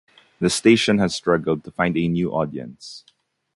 The station has struggled to find a new audience.